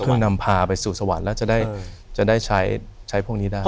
นำพาไปสู่สวรรค์แล้วจะได้ใช้พวกนี้ได้